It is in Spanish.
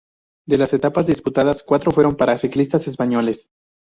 De las etapas disputadas, cuatro fueron para ciclistas españoles.